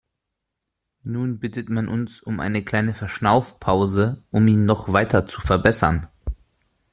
Nun bittet man uns um eine kleine Verschnaufpause, um ihn noch weiter zu verbessern.